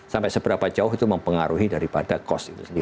sampai seberapa jauh itu mempengaruhi daripada cost itu sendiri